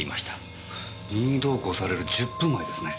任意同行される１０分前ですね。